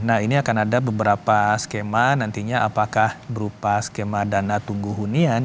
nah ini akan ada beberapa skema nantinya apakah berupa skema dana tunggu hunian